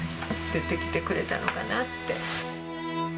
出てきてくれたのかなって。